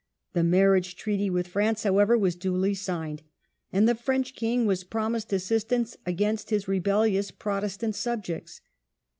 The marriage treaty with France, however, was duly signed, and the French king was pro mised assistance against his rebellious Protestant subjects.